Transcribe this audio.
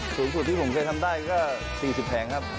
สูงสุดที่ผมเคยทำได้ก็๔๐แผงครับ